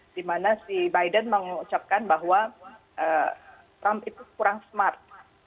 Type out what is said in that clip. dimana si biden mengucapkan bahwa trump itu kurang smart